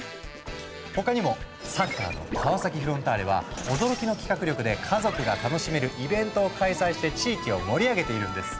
他にもサッカーの川崎フロンターレは驚きの企画力で家族が楽しめるイベントを開催して地域を盛り上げているんです。